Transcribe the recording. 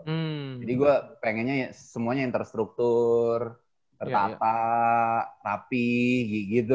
jadi gue pengennya semuanya yang terstruktur tertata rapi gitu